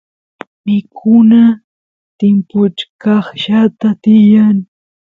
mikuna timpuchkaqllata tiyan